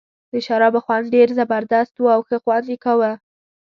د شرابو خوند ډېر زبردست وو او ښه خوند یې کاوه.